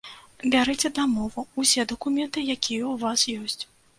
Бярыце дамову, усе дакументы, якія ў вас ёсць.